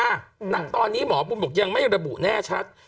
ณตอนนี้หมอบุญบอกยังไม่ระบุแน่ชัด